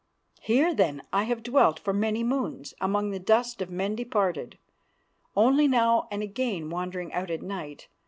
"Here then I have dwelt for many moons among the dust of men departed, only now and again wandering out at night.